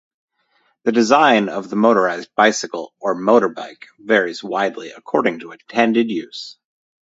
The design of the motorized bicycle or motorbike varies widely according to intended use.